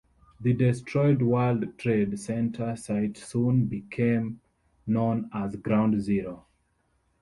The destroyed World Trade Center site soon became known as ground zero.